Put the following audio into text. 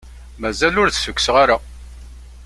Mazal ur as-d-ssukkseɣ ara.